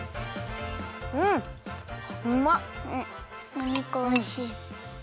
お肉おいしい。